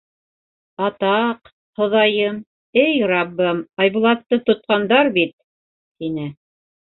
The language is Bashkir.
— Атаҡ, Хоҙайым, эй Раббым, Айбулатты тотҡандар бит, — тине.